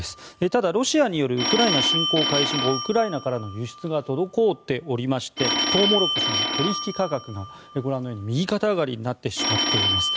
ただ、ロシアによるウクライナ侵攻開始後ウクライナからの輸出が滞っていましてトウモロコシの取引価格が右肩上がりになってしまっています。